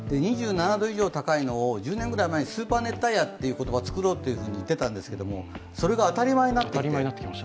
２７度以上高いのを１０年くらい前にスーパー熱帯夜というのを作ろうって言ってたんですけどそれが当たり前になってきて。